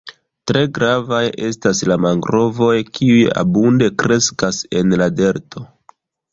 Tre gravaj estas la mangrovoj kiuj abunde kreskas en la delto.